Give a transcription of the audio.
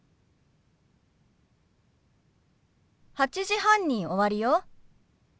８時半に終わるよ。